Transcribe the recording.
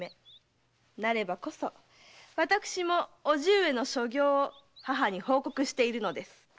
なればこそ私も叔父上の所業を母に報告しているのです。